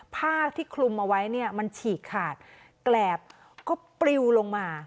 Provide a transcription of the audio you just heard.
ผ้าที่คลุมเอาไว้เนี่ยมันฉีกขาดแกรบก็ปลิวลงมา